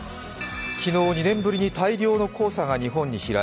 昨日、２年ぶりに大量の黄砂が日本に飛来